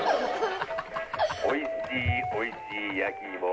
おいしいおいしい焼き芋。